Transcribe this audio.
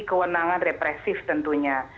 kewenangan represif tentunya